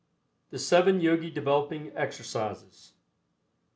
THE SEVEN YOGI DEVELOPING EXERCISES.